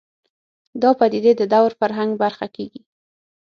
دا پدیدې د دور فرهنګ برخه کېږي